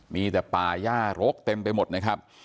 มีแต่ป่าย่ารกเต็มไปหมดนะครับ